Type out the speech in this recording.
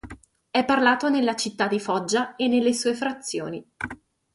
È parlato nella città di Foggia e nelle sue frazioni.